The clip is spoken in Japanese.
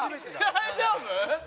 大丈夫？